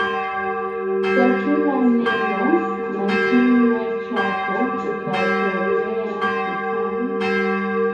Kwa kila neno na kinywa chako utatolea hesabu